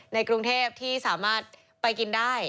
ในกรุงเทพที่สามารถไปกินได้